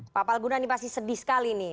pak palguna ini pasti sedih sekali nih